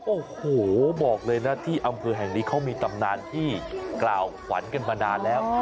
โอ้โหบอกเลยนะที่อำเภอแห่งนี้เขามีตำนานที่กล่าวขวัญกันมานานแล้ว